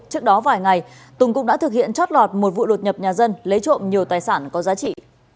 trước đó vài ngày tùng cũng đã thực hiện chót lọt một vụ đột nhập nhà dân lấy trộm nhiều tài sản có giá trị